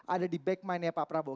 ada di back mind nya pak prabowo